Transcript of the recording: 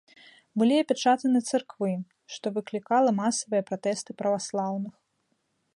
Былі апячатаны цэрквы, што выклікала масавыя пратэсты праваслаўных.